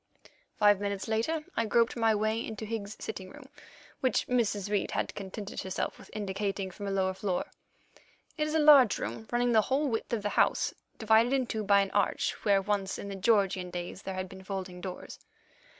Five minutes later I groped my way into Higgs's sitting room, which Mrs. Reid had contented herself with indicating from a lower floor. It is a large room, running the whole width of the house, divided into two by an arch, where once, in the Georgian days, there had been folding doors.